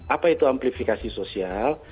apa itu amplifikasi sosial